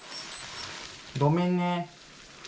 ごめんね。